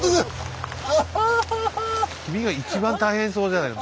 君が一番大変そうじゃないか。